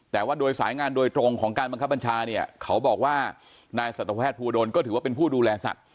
แต่ว่าโดยสายงานโดยตรงของการบังคับบัญชาเนี่ยเขาบอกว่านายสัตวแพทย์ภูวดลก็ถือว่าเป็นผู้ดูแลสัตว